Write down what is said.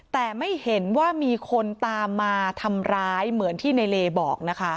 แต่ไม่เห็นว่ามีคนตามมาทำร้ายเหมือนที่ในเลบอกนะคะ